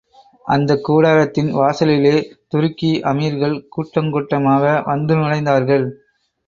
அந்தக் கூடாரத்தின் வாசலிலே துருக்கி அமீர்கள் கூட்டங் கூட்டமாக வந்து நுழைந்தார்கள்.